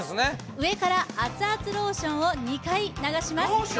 上から熱々ローションを２回流します